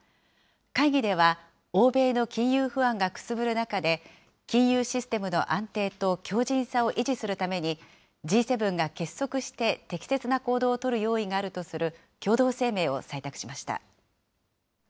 会議では、欧米の金融不安がくすぶる中で、金融システムの安定と強じんさを維持するために、Ｇ７が結束して、適切な行動をとる用意があるとする共同声明を採択しました。